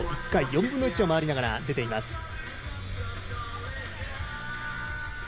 １回４分の１を回りながら出ています。